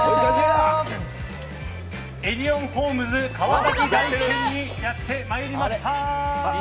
エディオンホームズ川崎大師店にやってまいりました！